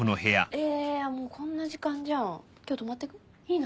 えもうこんな時間じゃん今日泊まってく？いいの？